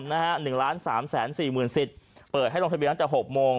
หนึ่งล้านสามแสนสี่หมื่นสิทธิ์เปิดให้ลงทะเบียนตั้งแต่๖โมง